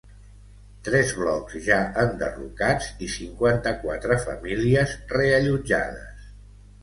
Tres blocs ja enderrocats i cinquanta-quatre famílies reallotjades.